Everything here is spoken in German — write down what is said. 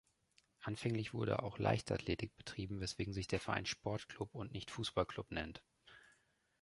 Anfänglich wurde auch Leichtathletik betrieben, weswegen sich der Verein "Sportclub" und nicht "Fussballclub" nennt.